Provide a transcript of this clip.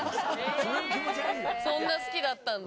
そんな好きだったんだ。